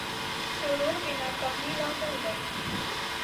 دروغ د ناکامۍ لامل دي.